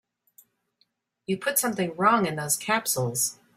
You put something wrong in those capsules.